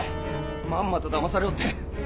まんまとだまされおって。